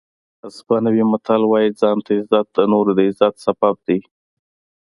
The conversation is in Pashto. اسپانوي متل وایي ځان ته عزت د نورو د عزت سبب دی.